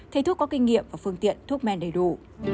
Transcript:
thầy thuốc có kinh nghiệm và phương tiện thuốc men đầy đủ